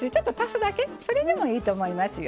それでもいいと思いますよ。